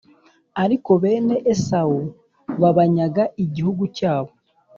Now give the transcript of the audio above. ariko bene Esawu babanyaga igihugu cyabo,